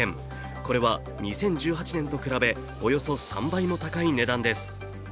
これは２０１８年と比べおよそ３倍も高い値段です。